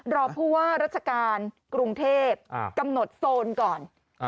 รอผู้ว่าราชการกรุงเทพกำหนดโซนก่อน